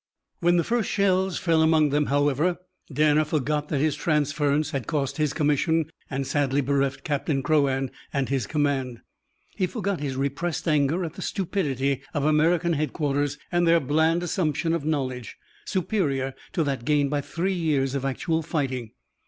When the first shells fell among them, however, Danner forgot that his transference had cost his commission and sadly bereft Captain Crouan and his command. He forgot his repressed anger at the stupidity of American headquarters and their bland assumption of knowledge superior to that gained by three years of actual fighting.